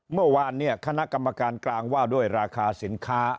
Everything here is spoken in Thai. เมื่อวานเนี่ยคณะกรรมการกลางว่าด้วยราคาสินค้า